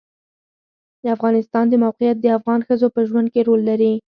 د افغانستان د موقعیت د افغان ښځو په ژوند کې رول لري.